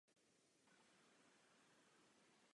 Samice mají při páření mnoho partnerů.